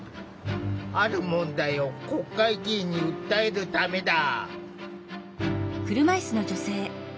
ある問題を国会議員に訴えるためだ。